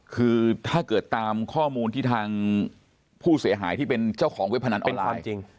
คือถ้าเกิดตามข้อมูลที่ทางผู้เสียหายที่เป็นเจ้าของเว็บพนันออนไลน์